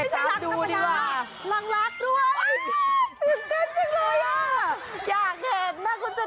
เจ๊จาแรงดูดีกว่า